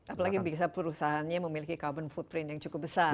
apalagi bisa perusahaannya memiliki carbon footprint yang cukup besar